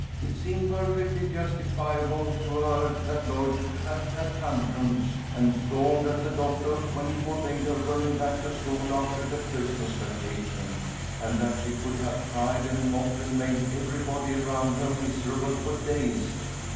It seemed perfectly justifiable to her that Lloyd should have had tantrums, and stormed at the doctor when he forbade her going back to school after the Christmas vacation, and that she should have cried and moped and made everybody around her miserable for days.